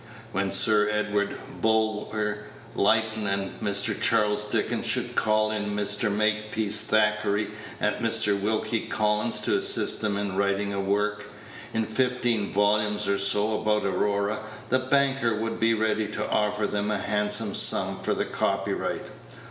When Sir Edward Bulwer Lytton and Mr. Charles Dickens should call in Mr. Makepeace Thackeray and Mr. Wilkie Collins to assist them in writing a work, in fifteen volumes or so, about Aurora, the banker would be ready to offer them a handsome sum for the copyright.